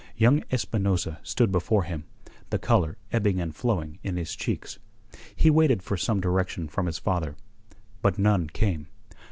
Young Espinosa stood before him, the colour ebbing and flowing in his cheeks. He waited for some direction from his father. But none came.